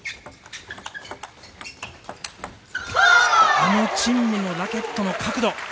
あのチン・ムのラケットの角度。